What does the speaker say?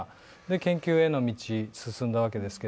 研究への道に進んだわけですが、